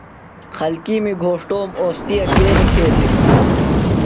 خلکِیمی گھوݜٹوم اوستِیا کے نِکھیتِم؟